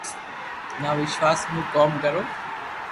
نہ وݾواݾ مون ڪوم ڪرو